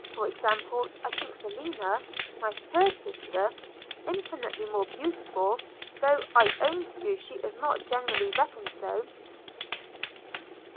For example, I think Selina, my third sister, infinitely more beautiful, though I own to you she is not generally reckoned so.'